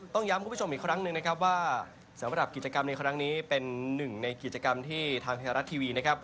ย้ำคุณผู้ชมอีกครั้งหนึ่งนะครับว่าสำหรับกิจกรรมในครั้งนี้เป็นหนึ่งในกิจกรรมที่ทางไทยรัฐทีวีนะครับ